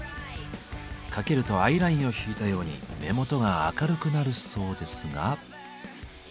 かけるとアイラインを引いたように目元が明るくなるそうですが。